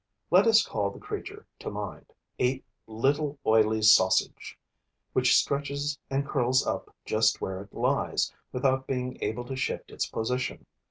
Let us call the creature to mind: a little oily sausage, which stretches and curls up just where it lies, without being able to shift its position.